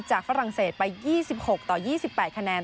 ฝรั่งเศสไป๒๖ต่อ๒๘คะแนน